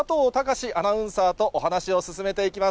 嗣アナウンサーとお話を進めていきます。